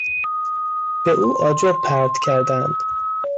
به او آجر پرت کردند.